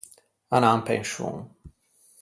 Anâ in penscion.